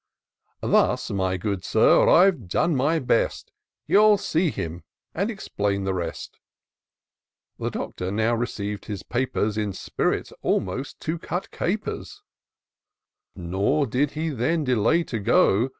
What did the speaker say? Thus, my good Sir, I've done my best : You'll see him and explain the rest." The Doctor now received his papers In spirits almost to cut capers ; Nor did he then delay to go.